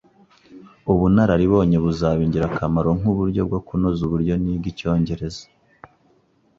Ubunararibonye buzaba ingirakamaro nkuburyo bwo kunoza uburyo niga icyongereza.